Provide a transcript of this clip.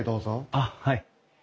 あっはい。